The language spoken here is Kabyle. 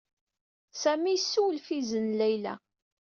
Sami yessewlef izen n Layla.